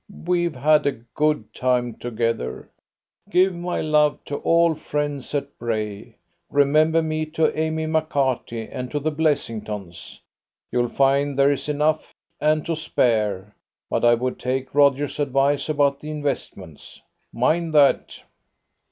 We've had a good time together. Give my love to all friends at Bray! Remember me to Amy McCarthy and to the Blessingtons. You'll find there is enough and to spare, but I would take Roger's advice about the investments. Mind that!"